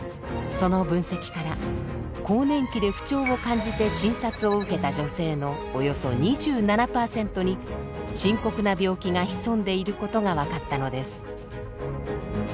その分析から更年期で不調を感じて診察を受けた女性のおよそ２７％に深刻な病気が潜んでいることが分かったのです。